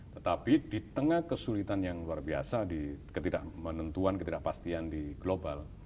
tetapi di tengah kesulitan yang luar biasa di ketidak menentuan ketidakpastian di global